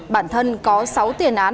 bản thân có sáu tiền án